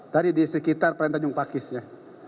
tadi di sekitar perairan tanjung pakis ya